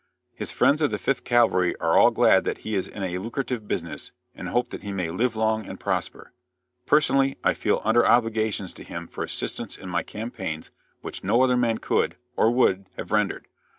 His friends of the Fifth Cavalry are all glad that he is in a lucrative business, and hope that he may live long and prosper. Personally, I feel under obligations to him for assistance in my campaigns which no other man could, or would, have rendered.